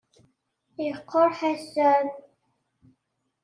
Yeḥqer Ḥasan.